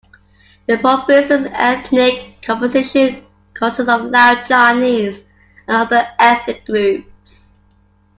The province's ethnic composition consists of Lao, Chinese, and other ethnic groups.